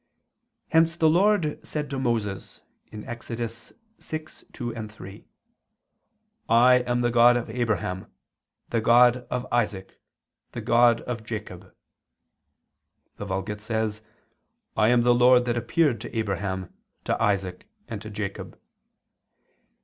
Hence the Lord said to Moses (Ex. 6:2, 3): "I am the God of Abraham, the God of Isaac, the God of Jacob [*Vulg.: 'I am the Lord that appeared to Abraham, to Isaac, and to Jacob']